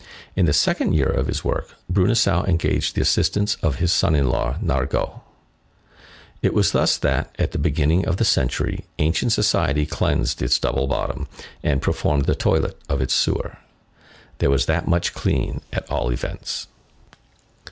In the second year of his work, Bruneseau engaged the assistance of his son in law Nargaud. It was thus that, at the beginning of the century, ancient society cleansed its double bottom, and performed the toilet of its sewer. There was that much clean, at all events.